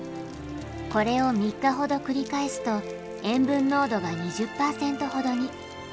これを３日ほど繰り返すと塩分濃度が２０％ほどに。